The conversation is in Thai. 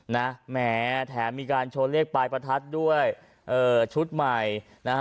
แหมแถมมีการโชว์เลขปลายประทัดด้วยเอ่อชุดใหม่นะฮะ